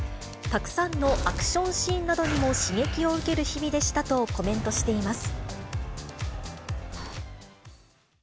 たくさんのアクションシーンなどにも刺激を受ける日々でしたとコメントしています。